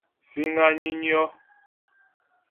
Síŋ á nyə́nyɔ́.